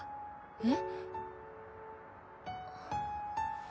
えっ？